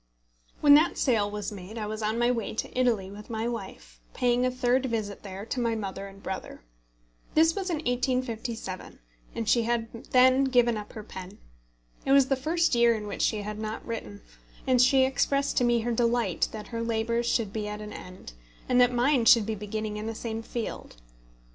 When that sale was made I was on my way to Italy with my wife, paying a third visit there to my mother and brother. This was in 1857, and she had then given up her pen. It was the first year in which she had not written, and she expressed to me her delight that her labours should be at an end, and that mine should be beginning in the same field.